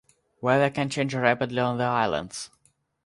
Weather can change rapidly on the islands.